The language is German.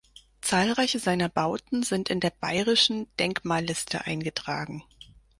Zahlreiche seiner Bauten sind in der Bayerischen Denkmalliste eingetragen.